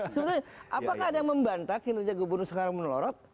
sebenarnya apakah ada yang membantah kinerja gubernur sekarang menelorot